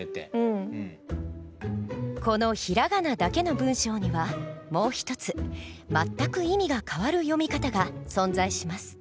この平仮名だけの文章にはもう一つ全く意味が変わる読み方が存在します。